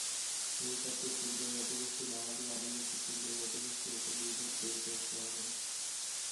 নৃতাত্ত্বিক ক্ষুদ্র জাতিগোষ্ঠী, বাঙালি, আদিবাসী, ক্ষুদ্র জাতিগোষ্ঠী—এসব বিভেদ দূর করতে হবে।